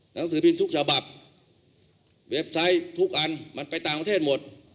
หนังสือพิมพ์ทุกฉบับเว็บไซต์ทุกอันมันไปต่างประเทศหมด